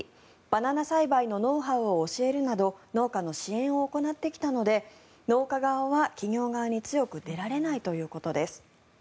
バナナ栽培のノウハウを教えるなど農家の支援を行ってきたので農家側は企業側に強く出られないということです。